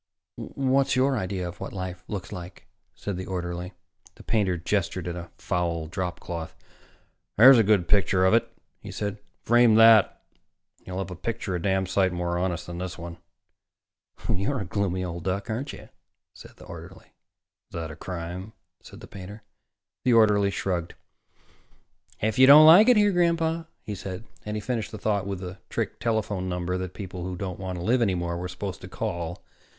"What's your idea of what life looks like?" said the orderly. The painter gestured at a foul dropcloth. "There's a good picture of it," he said. "Frame that, and you'll have a picture a damn sight more honest than this one." "You're a gloomy old duck, aren't you?" said the orderly. "Is that a crime?" said the painter. The orderly shrugged. "If you don't like it here, Grandpa " he said, and he finished the thought with the trick telephone number that people who didn't want to live any more were supposed to call.